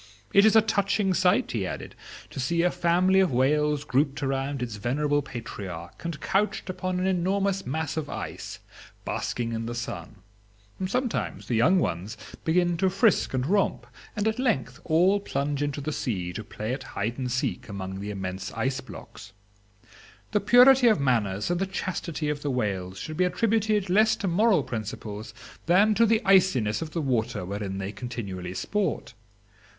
It is a touching sight," he added, "to see a family of whales grouped around its venerable patriarch, and couched upon an enormous mass of ice, basking in the sun. Sometimes the young ones begin to frisk and romp, and at length all plunge into the sea to play at hide and seek among the immense ice blocks. The purity of manners and the chastity of the whales should be attributed less to moral principles than to the iciness of the water wherein they continually sport.